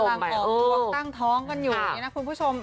ที่มันกำลังออกตั้งท้องกันอยู่อย่างนี้นะคุณผู้ชม